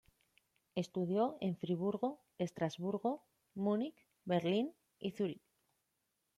Estudió en Friburgo, Estrasburgo, Múnich, Berlín y Zúrich.